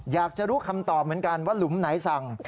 อยากจะรู้คำตอบเหมือนกันว่าหลุมไหนสั่ง